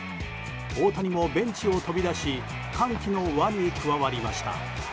大谷もベンチを飛び出し歓喜の輪に加わりました。